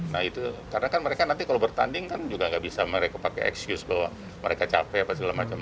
nah itu karena kan mereka nanti kalau bertanding kan juga nggak bisa mereka pakai excuse bahwa mereka capek apa segala macam